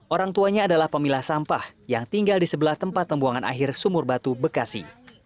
orang tuanya adalah pemilah sampah yang tinggal di sebelah tempat pembuangan akhir sumur batu bekasi